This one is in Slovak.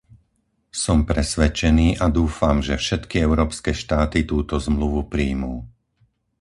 Som presvedčený a dúfam, že všetky európske štáty túto Zmluvu prijmú.